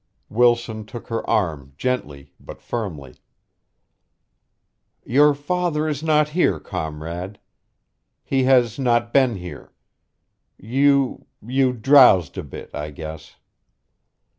Wilson took her arm gently but firmly. "Your father is not here, comrade. He has not been here. You you drowsed a bit, I guess."